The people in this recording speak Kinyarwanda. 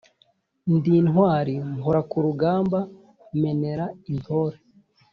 Ndi intwari mpora ku rugamba menera intore.